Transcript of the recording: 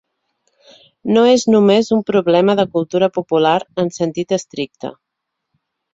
No és només un problema de cultura popular en sentit estricte.